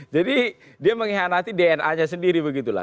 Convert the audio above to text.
jadi dia mengkhianati dna nya sendiri begitulah